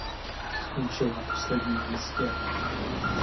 Skončil na posledním místě.